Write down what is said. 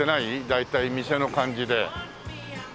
大体店の感じで。